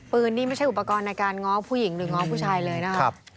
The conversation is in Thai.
นี่ไม่ใช่อุปกรณ์ในการง้อผู้หญิงหรือง้อผู้ชายเลยนะครับ